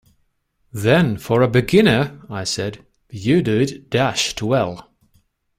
'Then, for a beginner,' I said, 'you do it dashed well.'